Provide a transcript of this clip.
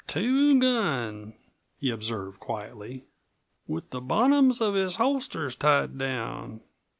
"Two gun," he observed quietly; "with the bottoms of his holsters tied down.